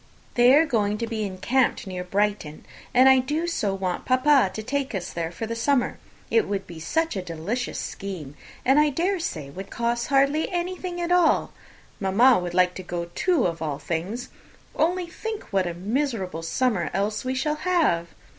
"They are going to be encamped near Brighton; and I do so want papa to take us all there for the summer! It would be such a delicious scheme, and I dare say would hardly cost anything at all. Mamma would like to go, too, of all things! Only think what a miserable summer else we shall have!"